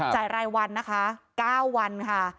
รายวันนะคะ๙วันค่ะ